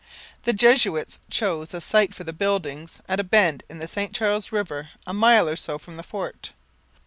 The Jesuits chose a site for the buildings at a bend in the St Charles river a mile or so from the fort.